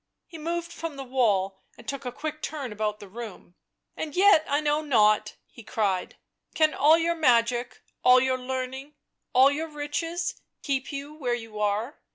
He moved from the wall and took a quick turn about the room. " And yet I know not !" he cried. " Can all your magic, all your learning, all your riches, keep you where you are?